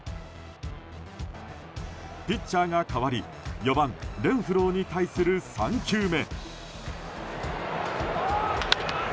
ピッチャーが代わり４番レンフローに対する３球目。